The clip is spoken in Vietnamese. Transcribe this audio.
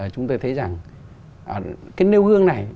chúng tôi thấy rằng cái nêu gương này